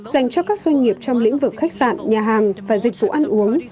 dành cho các doanh nghiệp trong lĩnh vực khách sạn nhà hàng và dịch vụ ăn uống